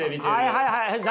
はいはいはい。